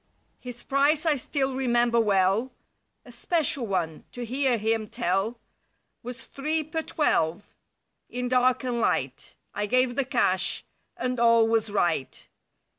His price I still remember well, (A "special" one, to hear him tell). Was three per twelve, in dark and light. I gave the cash and all was right.